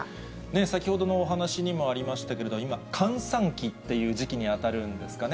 先ほどのお話にもありましたけれど、今、閑散期っていう時期に当たるんですかね。